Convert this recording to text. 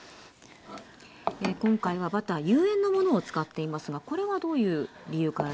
今回はバター有塩のものを使っていますがこれはどういう理由からですか？